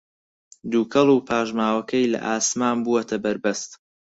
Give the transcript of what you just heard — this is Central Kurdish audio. دووکەڵ و پاشماوەکەی لە ئاسمان بووەتە بەربەست